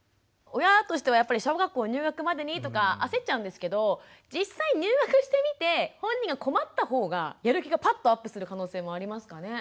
親としてはやっぱり小学校入学までにとか焦っちゃうんですけど実際入学してみて本人が困ったほうがやる気がパッとアップする可能性もありますかね？